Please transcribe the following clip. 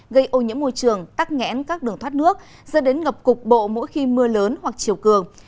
gây ô nhiễm môi trường tắc nghẽn các đường thoát nước dẫn đến ngập cục bộ mỗi khi mưa lớn hoặc chiều cường